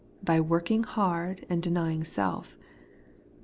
By working hard and denying self.